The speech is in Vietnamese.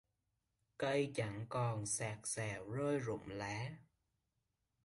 Cây chẳng còn xạc xào rơi rụng lá